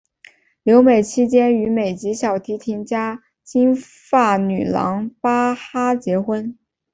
留美期间与美籍小提琴家金发女郎巴哈结婚。